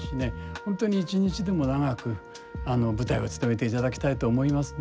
本当に一日でも長く舞台をつとめていただきたいと思いますね。